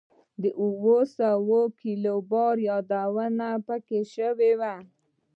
د اووه سوه کیلو بار یادونه په کې شوې وه.